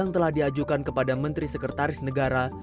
yang telah diajukan kepada menteri sekretaris negara